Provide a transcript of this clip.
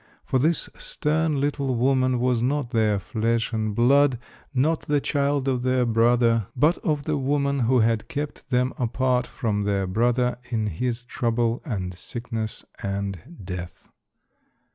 For this stern little woman was not their flesh and blood, not the child of their brother, but of the woman who had kept them apart from their brother in his trouble and sickness and death.